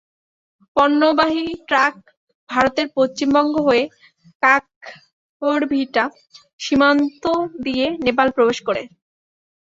পণ্যবাহী ট্রাক ভারতের পশ্চিমবঙ্গ হয়ে কাকরভিটা সীমান্ত দিয়ে নেপালে প্রবেশ করে।